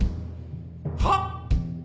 はっ！？